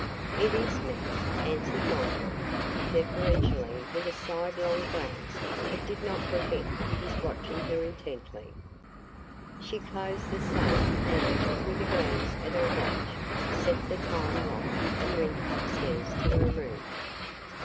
"It is, ma'am," answered Michael, deferentially with a sidelong glance that did not prevent his watching her intently. She closed the safe and, with a glance at her watch, set the time lock and went upstairs to her room.